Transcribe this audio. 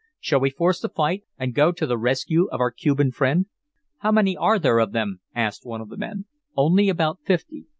Shall we force the fight and go to the rescue of our Cuban friend?" "How many are there of them?" asked one of the men. "Only about fifty."